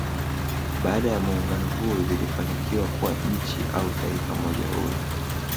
Baada ya muungano huo zilifanikiwa kuwa nchi au Taifa moja huru